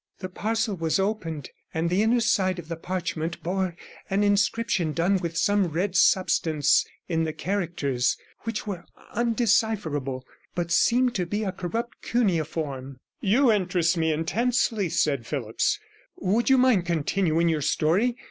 The parcel was opened, and the inner side of the parchment bore 43 an inscription done with some red substance in the characters were undecipherable, but seemed to be a corrupt cuneiform.' 'You interest me intensely,' said Phillipps. 'Would you mind continuing your story?